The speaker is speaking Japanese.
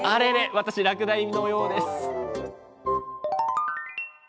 私落第のようです